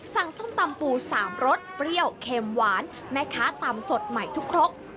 ส้มตำปู๓รสเปรี้ยวเค็มหวานแม่ค้าตำสดใหม่ทุกครก